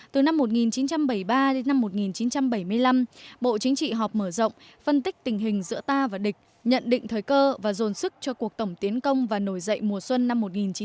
từ năm một nghìn chín trăm bảy mươi ba đến năm một nghìn chín trăm bảy mươi năm bộ chính trị họp mở rộng phân tích tình hình giữa ta và địch nhận định thời cơ và dồn sức cho cuộc tổng tiến công và nổi dậy mùa xuân năm một nghìn chín trăm bảy mươi năm